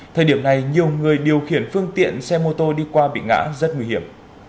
thời điểm này nhiều người điều khiển phương tiện xe mô tô đi qua bị ngã rất nguy hiểm